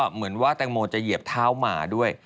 เหมือนว่าแตงโมจะเหยียบเท้าหมาด้วย